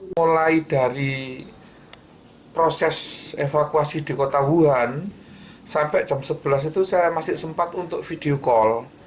mulai dari proses evakuasi di kota wuhan sampai jam sebelas itu saya masih sempat untuk video call